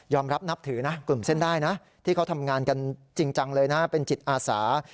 นับนับถือนะกลุ่มเส้นได้นะที่เขาทำงานกันจริงจังเลยนะเป็นจิตอาสา